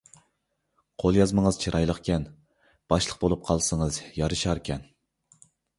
قول يازمىڭىز چىرايلىقكەن، باشلىق بولۇپ قالسىڭىز يارىشاركەن.